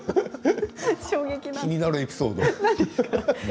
気になるエピソード。